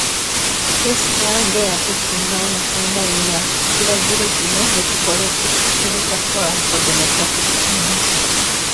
Besigye abadde yakeesimbawo enfunda nnya ekiragiriro kino yakikoledde ku kitebe kya Forum for Democratic Change.